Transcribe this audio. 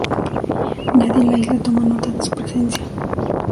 Nadie en la isla toma nota de su presencia.